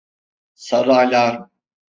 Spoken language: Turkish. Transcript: Sarı alarm!